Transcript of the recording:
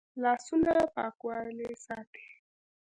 لاسونه پاکوالی ساتي